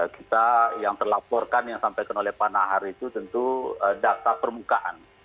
kita yang terlaporkan yang sampaikan oleh pak nahar itu tentu data permukaan